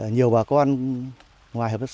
nhiều bà con ngoài hợp tác xã